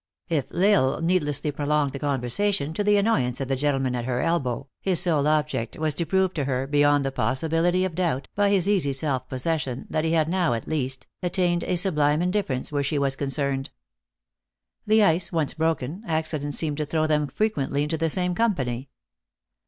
If L Isle needlessly prolonged the conversation, to the annoy ance of the gentlemen at her elbow, his sole object was to prove to her, beyond the possibility of doubt, by his easy self possession, that he had now, at least, attained to a sublime indifference where she was con cerned. The ice once broken, accident seemed to throw them frequently into the same company.